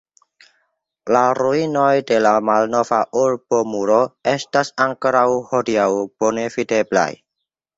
La ruinoj de la malnova urbomuro estas ankoraŭ hodiaŭ bone videblaj.